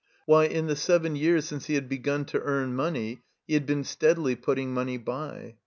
Why, in the seven years since he had begun to earn money he had been steadily putting money by.